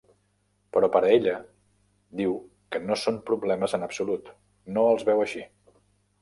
Però per a ella, diu que no són problemes en absolut, no els veu així.